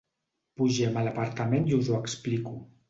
Pugem a l'apartament i us ho explico.